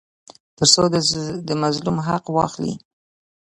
تر څو د مظلوم حق واخلي.